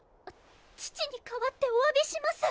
父に代わってお詫びします。